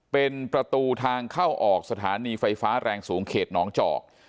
เป็นประตูทางเข้าออกสถานีไฟฟ้าแรงสูงเขตหนองจอก